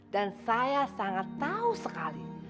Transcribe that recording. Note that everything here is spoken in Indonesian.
dan saya sangat tahu sekali